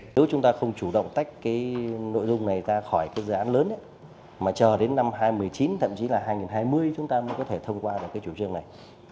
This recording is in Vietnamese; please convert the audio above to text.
nếu chúng ta không chủ động tách cái nội dung này ra khỏi cái dự án lớn mà chờ đến năm hai nghìn một mươi chín thậm chí là hai nghìn hai mươi chúng ta mới có thể thông qua được cái chủ trương này